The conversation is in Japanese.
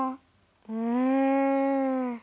うん。